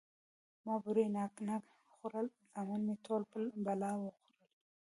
ـ ما بورې نانګه خوړل، زامن مې ټول بلا وخوړل.